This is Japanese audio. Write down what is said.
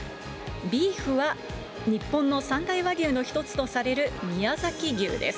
ビーフは日本の３大和牛の１つとされる宮崎牛です。